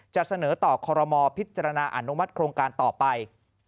จะเสนอต่อคอรมอลพิจารณาอนุมัติโครงการต่อไป